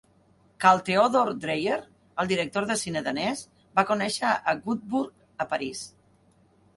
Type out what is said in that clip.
Carl Theodor Dreyer, el director de cine danès, va conèixer a Gunzburg a París.